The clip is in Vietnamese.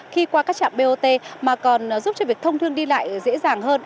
khi qua các trạm bot mà còn giúp cho việc thông thương đi lại dễ dàng hơn